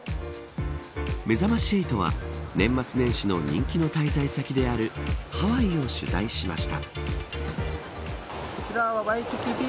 めざまし８は、年末年始の人気の滞在先であるハワイを取材しました。